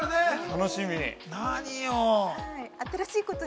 ◆楽しみにね。